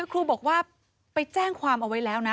ครูบอกว่าไปแจ้งความเอาไว้แล้วนะ